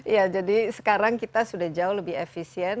iya jadi sekarang kita sudah jauh lebih efisien